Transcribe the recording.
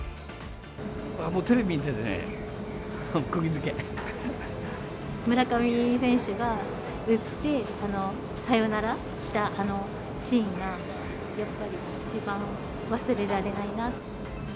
もうテレビ見ててね、村上選手が打って、サヨナラしたあのシーンが、やっぱり一番忘れられないな。